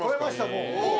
もう！